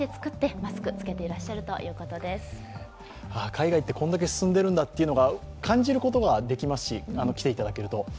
海外ってこんだけ進んでいるんだというのが感じることができますし、来ていただけると。